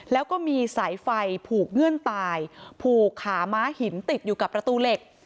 แล้วก็มีสายไฟผูกเงื่อนตายผูกขาม้าหินติดอยู่กับประตูเหล็ก